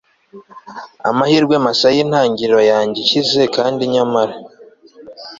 amahirwe masa yintangiriro yanjye ikizekandi nyamara